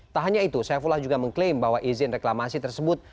tak hanya itu saifullah juga mengklaim bahwa izin reklamasi tersebut